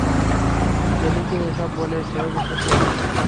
কেলিকে এসব বললে সে বিশ্বাসও করবেনা।